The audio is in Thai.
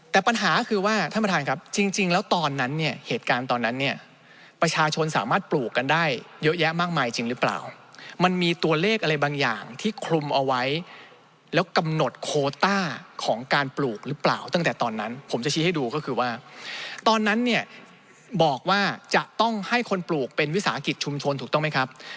แต่ปัญหาคือว่าตอนนี้รัฐบุรุณตีว่าการส่งสถานสุขเนี่ยนะครับ